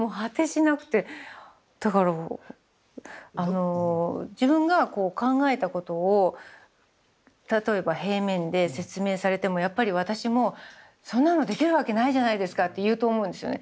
だからあの自分がこう考えたことを例えば平面で説明されてもやっぱり私もそんなのできるわけないじゃないですかって言うと思うんですよね。